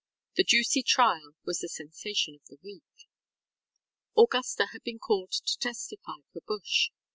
The juicy trial was the sensation of the week. Augusta had been called to testify for Bush.